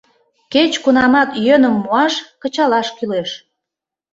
Кеч-кунамат йӧным муаш, кычалаш кӱлеш.